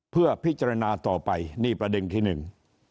เพื่อพิจารณาต่อไปนี่ประเด็นที่หนึ่ง